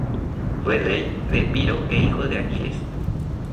Fue rey de Epiro e hijo de Aquiles.